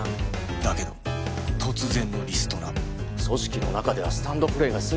だけど突然のリストラ組織の中ではスタンドプレーがすぎたって事だ。